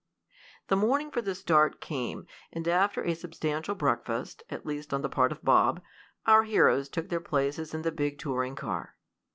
The morning for the start came, and after a substantial breakfast, at least on the part of Bob, our heroes took their places in the big touring car.